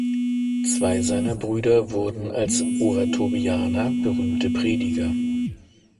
Zwei seiner Brüder wurden als Oratorianer berühmte Prediger.